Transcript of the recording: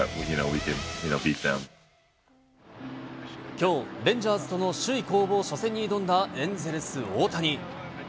きょう、レンジャーズとの首位攻防初戦に挑んだエンゼルス、大谷。